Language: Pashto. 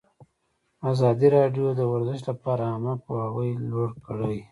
ازادي راډیو د ورزش لپاره عامه پوهاوي لوړ کړی.